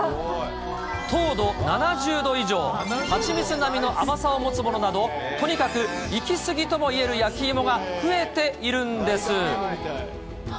糖度７０度以上、蜂蜜並みの甘さを持つものなど、とにかくいきすぎともいえる焼きいもが増えているんです。